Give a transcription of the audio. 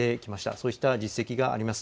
そうした実績があります。